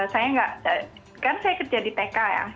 saya gak kan saya kecil jadi tk ya